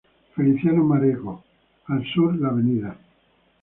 Feliciano Mareco, al sur la Av.